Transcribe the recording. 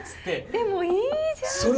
でもいいじゃんそれ。